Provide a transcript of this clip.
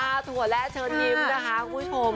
ถั่วและเชิญยิ้มนะคะคุณผู้ชม